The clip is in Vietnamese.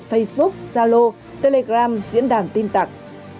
facebook zalo telegram diễn đàn tin tặng